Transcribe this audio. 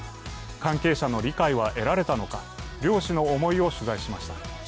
関係者の理解は得られたのか、漁師の思いを取材しました。